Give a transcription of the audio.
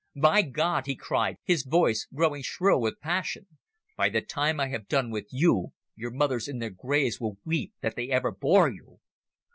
By God," he cried, his voice growing shrill with passion, "by the time I have done with you your mothers in their graves will weep that they ever bore you!"